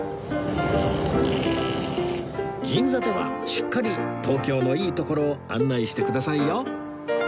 銀座ではしっかり東京のいい所を案内してくださいよ